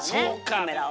カメラを。